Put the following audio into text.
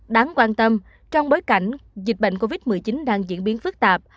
đáng quan tâm trong bối cảnh dịch bệnh covid một mươi chín đang diễn biến phức tạp